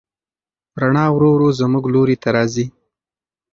رڼا ورو ورو زموږ لوري ته راځي.